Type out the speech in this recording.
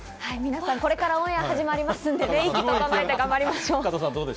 これからオンエア始まりますので息を整えて頑張りましょう。